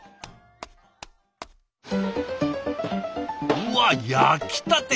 うわ焼きたて！